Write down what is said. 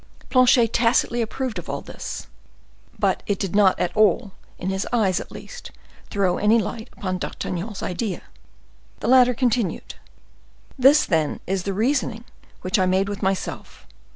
Planchet tacitly approved of all this; but it did not at all, in his eyes at least, throw any light upon D'Artagnan's idea. The latter continued: "This, then, is the reasoning which I made with myself.